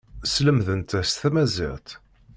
Slemdent-as tamaziɣt.